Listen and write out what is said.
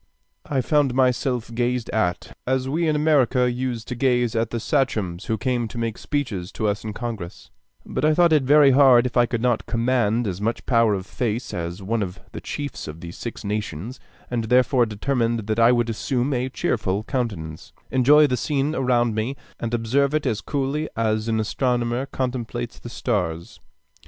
I found myself gazed at, as we in America used to gaze at the sachems who came to make speeches to us in Congress; but I thought it very hard if I could not command as much power of face as one of the chiefs of the Six Nations, and therefore determined that I would assume a cheerful countenance, enjoy the scene around me, and observe it as coolly as an astronomer contemplates the stars.